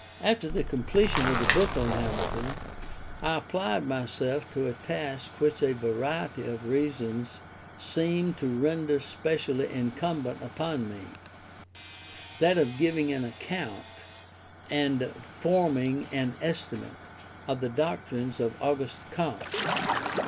After the completion of the book on Hamilton, I applied myself to a task which a variety of reasons seemed to render specially incumbent upon me; that of giving an account, and forming an estimate, of the doctrines of Auguste Comte.